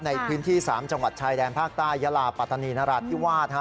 ในพื้นที่๓จังหวัดชายแดนภาคใต้ยาลาปัตตานีนราธิวาส